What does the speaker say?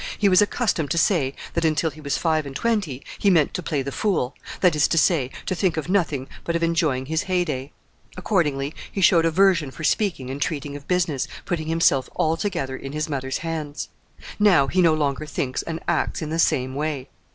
"He was accustomed to say that, until he was five and twenty, he meant to play the fool; that is to say, to think of nothing but of enjoying his heyday; accordingly he showed aversion for speaking and treating of business, putting himself altogether in his mother's hands. Now, he no longer thinks and acts in the same way.